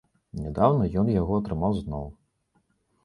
Нядаўна ён яго атрымаў зноў.